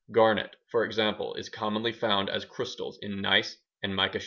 Garnet, for example, is commonly found as crystals in gneiss and mica schist.